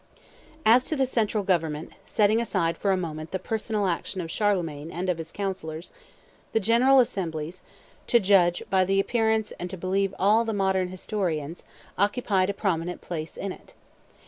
As to the central government, setting aside for a moment the personal action of Charlemagne and of his counsellors, the general assemblies, to judge by appearances and to believe nearly all the modern historians, occupied a prominent place in it.